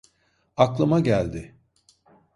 Aklıma geldi.